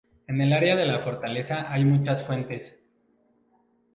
En el área de la fortaleza hay muchas fuentes.